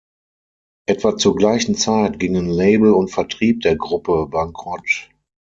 Etwa zur gleichen Zeit gingen Label und Vertrieb der Gruppe bankrott.